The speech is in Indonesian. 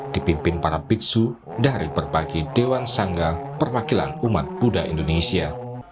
dipimpin para biksu dari berbagai dewan sangga perwakilan umat buddha indonesia